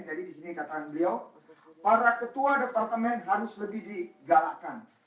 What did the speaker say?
jadi disini katakan beliau para ketua departemen harus lebih digalakkan